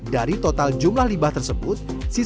dari total jumlah limbah tersebut